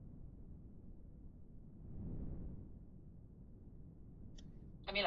政治委员是执政党在军队的代表。